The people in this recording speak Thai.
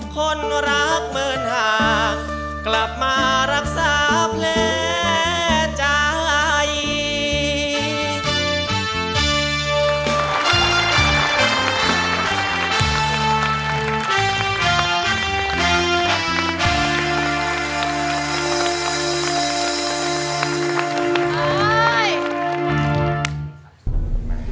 คนรักเหมือนห่างกลับมารักษาแผลใจ